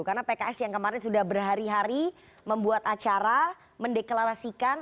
karena pks yang kemarin sudah berhari hari membuat acara mendeklarasikan